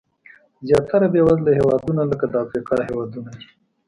زیاتره بېوزله هېوادونه لکه د افریقا هېوادونه دي.